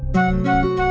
sampai ses dura